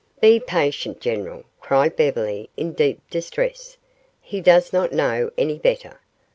"Be patient, general," cried Beverly in deep distress. "He does not know any better.